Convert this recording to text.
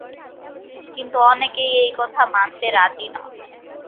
কিন্তু অনেকেই এই কথা মানতে রাজি নন।